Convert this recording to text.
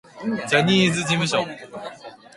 ジャニーズ事務所